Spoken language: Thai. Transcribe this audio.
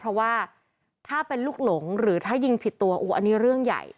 เพราะว่าถ้าเป็นลูกหลงหรือถ้ายิงผิดตัวอันนี้เรื่องใหญ่